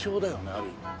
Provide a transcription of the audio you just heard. ある意味。